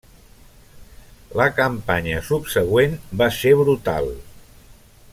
La campanya subsegüent va ser brutal.